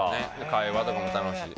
会話とかも楽しい。